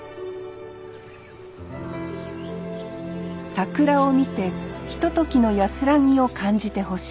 桜を見てひとときの安らぎを感じてほしい。